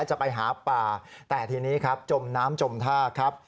จะไปหาป่าแต่ทีนี้จมน้ำจมทา